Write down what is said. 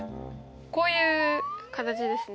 こういう形ですね。